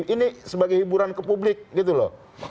ini sebagai hiburan ke publik gitu loh